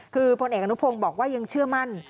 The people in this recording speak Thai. คือพลเอกอนุพงศ์บอกว่ายังเชื่อมั่น